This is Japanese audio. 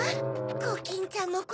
コキンちゃんもこ